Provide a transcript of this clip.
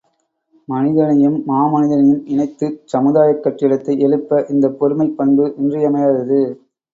மனிதனையும் மாமனிதனையும் இணைத்துச் சமுதாயக் கட்டிடத்தை எழுப்ப இந்தப் பொறுமைப் பண்பு இன்றியமையாதது.